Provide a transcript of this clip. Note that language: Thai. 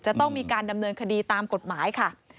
จะต้องมีการดำเนินคดีตามกฎหมายค่ะ